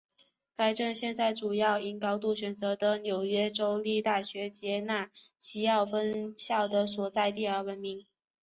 该镇现在主要因高度选择性的纽约州立大学杰纳西奥分校的所在地而闻名。